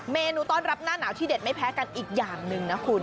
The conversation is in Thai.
เมนูต้อนรับหน้าหนาวที่เด็ดไม่แพ้กันอีกอย่างหนึ่งนะคุณ